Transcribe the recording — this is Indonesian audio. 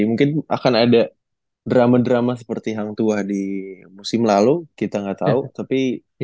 mungkin akan ada drama drama seperti hang tua di musim lalu kita nggak tahu tapi